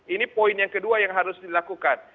ini poin yang kedua yang harus dilakukan